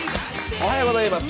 おはようございます。